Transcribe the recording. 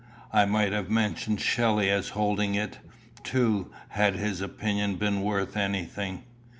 I might have mentioned Shelley as holding it, too, had his opinion been worth anything."